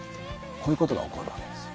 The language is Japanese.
こういうことが起こるわけです。